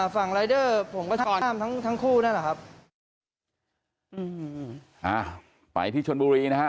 ฝั่งรายเดอร์ผมก็ห้ามทั้งคู่นั่นแหละครับ